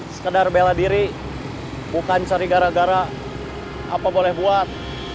sekedar bela diri bukan cari gara gara apa boleh buat